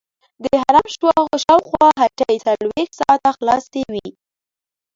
د حرم شاوخوا هټۍ څلورویشت ساعته خلاصې وي.